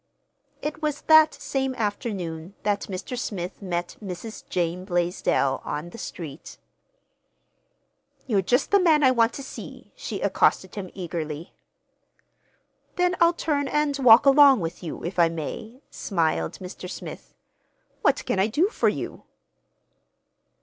It was that same afternoon that Mr. Smith met Mrs. Jane Blaisdell on the street. "You're just the man I want to see," she accosted him eagerly. "Then I'll turn and walk along with you, if I may," smiled Mr. Smith. "What can I do for you?"